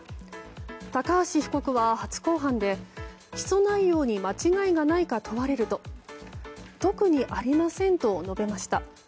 高橋被告は、初公判で起訴内容に間違いがないか問われると特にありませんと述べました。